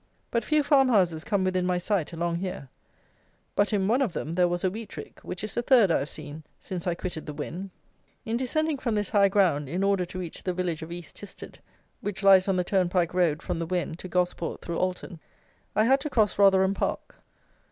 But few farmhouses come within my sight along here; but in one of them there was a wheat rick, which is the third I have seen since I quitted the Wen. In descending from this high ground, in order to reach the village of East Tisted, which lies on the turnpike road from the Wen to Gosport through Alton, I had to cross Rotherham Park.